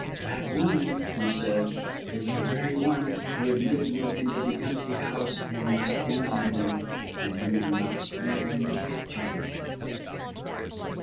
"That woman," he said quietly, "is the very one who admitted me into the empty house in West Kensington and who locked me in the kitchen."